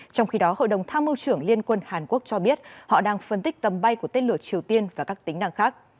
trong khi đó hội đồng tham mưu trưởng liên quân hàn quốc cho biết họ đang phân tích tầm bay của tên lửa triều tiên và các tính năng khác